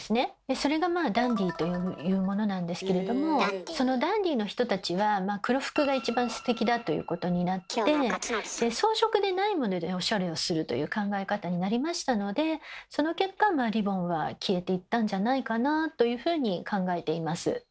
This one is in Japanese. それがまあ「ダンディ」というものなんですけれどもそのダンディの人たちは黒服が一番ステキだということになって装飾でないものでおしゃれをするという考え方になりましたのでその結果リボンは消えていったんじゃないかなというふうに考えています。